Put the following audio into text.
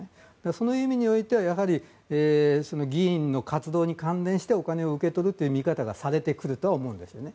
その意味においては議員の活動に関連してお金を受け取るという見方がされてくるとは思うんですね。